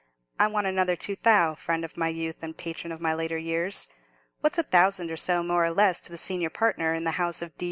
I want another two thou', friend of my youth and patron of my later years. What's a thousand or so, more or less, to the senior partner in the house of D.